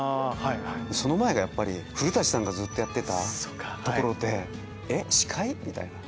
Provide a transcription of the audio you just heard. その前がやっぱり古さんがずっとやってたところでえっ司会⁉みたいな。